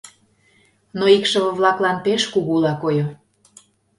Но икшыве-влаклан пеш кугула койо.